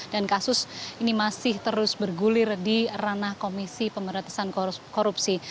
dan kasus ini masih terus bergulir di ranah komisi pemerintahan korupsi